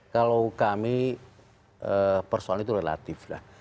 kalau kami persoalan itu relatif lah